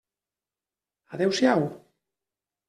Adéu-siau.